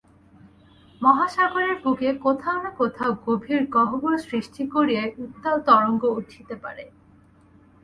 মহাসাগরের বুকে কোথাও না কোথাও গভীর গহ্বর সৃষ্টি করিয়াই উত্তাল তরঙ্গ উঠিতে পারে।